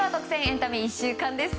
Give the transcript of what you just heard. エンタメ１週間です。